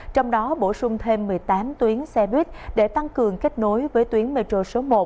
trong đó bổ sung thêm một mươi tám tuyến xe buýt để tăng cường kết nối với tuyến metro số một